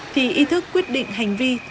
thì ý thức quyết định hành vi